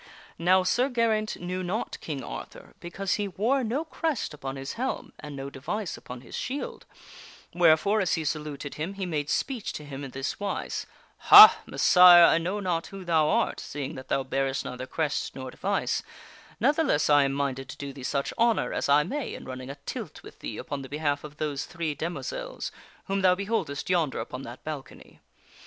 Now Sir Geraint knew not King Arthur because he wore no crest upon his helm and no device upon his shield, wherefore as he saluted him he made speech to him in this wise :" Ha ! Messire, I know not who thou art, see ing that thou bearest neither crest nor device. Ne'theless, I am minded to do thee such honor as I may in running a tilt with thee upon the behalf of those three demoiselles whom thou beholdest yonder upon that balcony.